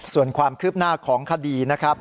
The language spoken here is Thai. ส่วนความคืบหน้าของคดีนะครับ